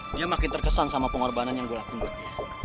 dia makin terkesan sama pengorbanan yang gue lakuin buat dia